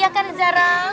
ya kan zara